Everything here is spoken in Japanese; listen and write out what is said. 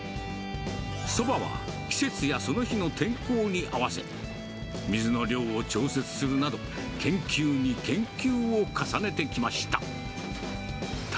そばは季節やその日の天候に合わせ、水の量を調節するなど、研究に研究を重ねてきました。